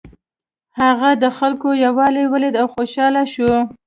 هغه د خلکو یووالی ولید او خوشحاله شو.